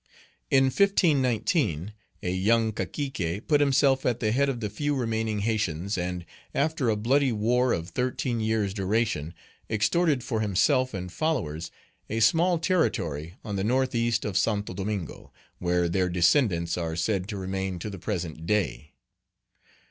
In 1519, a young Cacique put himself at the head of the few remaining Haytians, and, after a bloody war of thirteen years' duration, extorted for himself and followers a small territory on the northeast of Saint Domingo, where their descendants are said to remain to the present day.